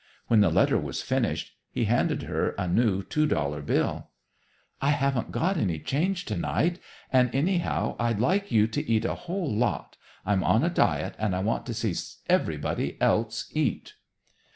When the letter was finished, he handed her a new two dollar bill. "I haven't got any change tonight; and anyhow, I'd like you to eat a whole lot. I'm on a diet, and I want to see everybody else eat."